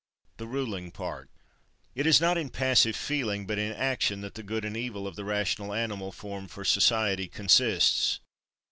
The ruling part. 16. It is not in passive feeling, but in action, that the good and evil of the rational animal formed for society consists.